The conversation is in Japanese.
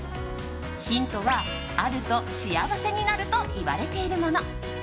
ヒントは、あると幸せになるといわれているもの。